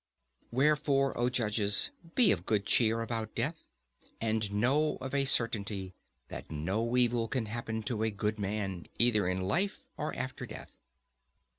Wherefore, O judges, be of good cheer about death, and know of a certainty, that no evil can happen to a good man, either in life or after death.